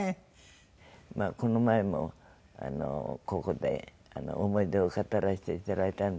まあこの前もここで思い出を語らせていただいたんで。